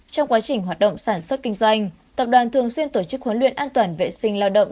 trong quá trình hoạt động sản xuất kinh doanh tập đoàn thường xuyên tổ chức huấn luyện an toàn vệ sinh lao động